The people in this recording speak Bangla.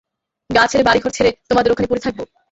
গাঁ ছেড়ে বাড়িঘর ছেড়ে তোমার ওখানে পড়ে থাকব?